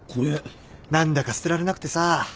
何だか捨てられなくてさ